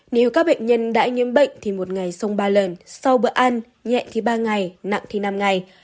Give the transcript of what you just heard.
nếu các bệnh nhân đã nhiễm bệnh thì một ngày song ba lần sau bữa ăn nhẹ thì ba ngày nặng thì năm ngày